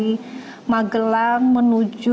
ini adegan rekonstruksi kasus pembunuhan brigadir joshua